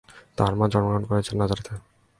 তার মা জন্মগ্রহণ করেছেন নাজারাথে।